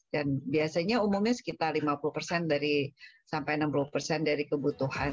dan biasanya umumnya sekitar lima puluh sampai enam puluh dari kebutuhan